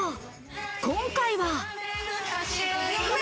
今回は。